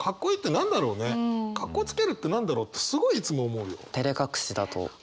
カッコつけるって何だろうってすごいいつも思うよ。